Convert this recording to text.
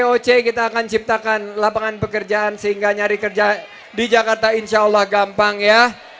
oc kita akan ciptakan lapangan pekerjaan sehingga nyari kerja di jakarta insya allah gampang ya